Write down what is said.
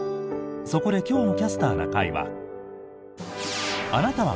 そこで今日の「キャスターな会」は。